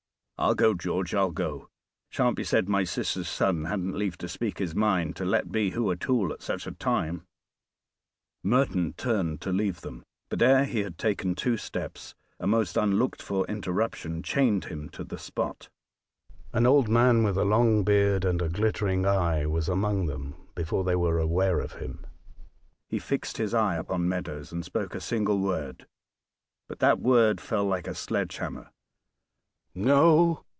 "I'll go, George, I'll go; shan't be said my sister's son hadn't leave to speak his mind to letbe who atool,* at such a time." *Let be who it will. Cui libet. Merton turned to leave them, but ere he had taken two steps a most unlooked for interruption chained him to the spot. An old man, with a long beard and a glittering eye, was among them before they were aware of him; he fixed his eye upon Meadows, and spoke a single word but that word fell like a sledge hammer. "No!!"